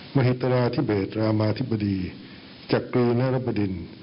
มหิตราธิเบศรามาธิบดีจักรีนรบดิน